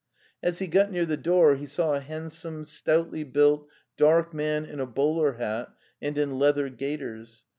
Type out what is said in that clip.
As he got near the door he saw a handsome, stoutly built, dark man in a bowler hat and in leather gaiters.